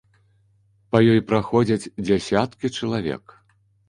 Па ёй праходзяць дзясяткі чалавек.